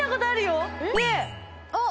あっ！